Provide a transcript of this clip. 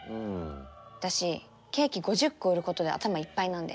私ケーキ５０個売ることで頭いっぱいなんで。